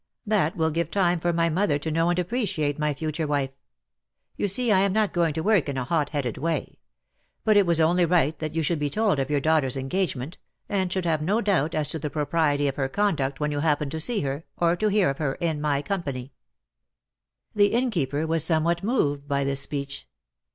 That will give time for my mother to know and appreciate my future wife. You see I am not going to work in a hot headed way; but it was only right that you should be told of your daughter's en gagement, and should have no doubt as to the pro priety of her conduct when you happen to see her, or to hear of her, in my company." DEAD LOVE HAS CHAINS. Jt The Innkeeper was somewhat moved by this speech.